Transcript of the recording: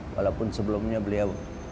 walaupun sebelumnya beliau